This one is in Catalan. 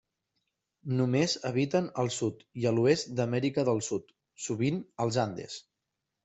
Només habiten al sud i a l'oest d'Amèrica del Sud, sovint als Andes.